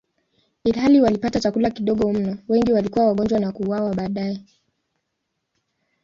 Ilhali walipata chakula kidogo mno, wengi walikuwa wagonjwa na kuuawa baadaye.